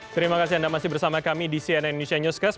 terima kasih anda masih bersama kami di cnn indonesia newscast